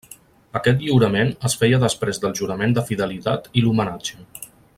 Aquest lliurament es feia després del jurament de fidelitat i l'homenatge.